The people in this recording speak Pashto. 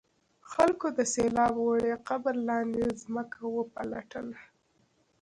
خلکو د سیلاب وړي قبر لاندې ځمکه وپلټله.